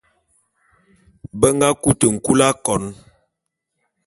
Be nga kute nkul akon.